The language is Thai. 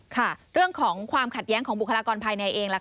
ค่ะเรื่องของความขัดแย้งของบุคลากรภายในเองล่ะค่ะ